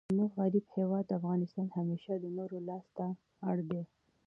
زموږ غریب هیواد افغانستان همېشه د نورو لاس ته اړ دئ.